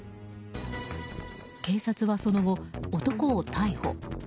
警察はその後、男を逮捕。